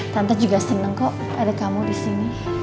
tante juga senang kok ada kamu di sini